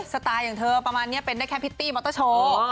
สไตล์อย่างเธอประมาณนี้เป็นได้แค่พิตตี้มอเตอร์โชว์